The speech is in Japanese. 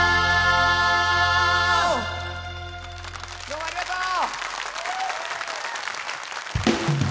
どうもありがとう！